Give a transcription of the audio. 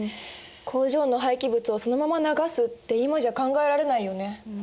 工場の廃棄物をそのまま流すって今じゃ考えられないよね。